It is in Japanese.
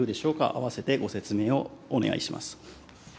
併せてご説明をお願いします。